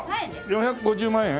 ４５０万円？